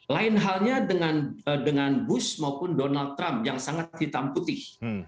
lain halnya dengan bush maupun donald trump yang sangat hitam putih